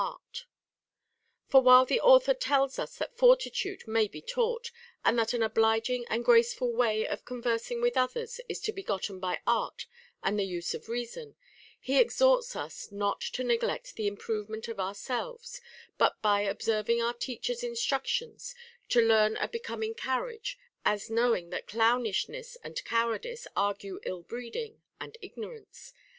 t For while the author tells us that fortitude may be taught, and that an obliging and graceful way of conversing with others is to be gotten by art and the use of reason, he ex horts us not to neglect the improvement of ourselves, but by observing our teachers' instructions to learn a becom ing carriage, as knowing that clownishness and cowardice argue ill breeding and ignorance.